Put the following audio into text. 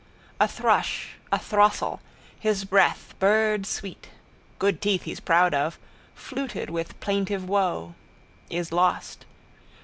A thrush. A throstle. His breath, birdsweet, good teeth he's proud of, fluted with plaintive woe. Is lost.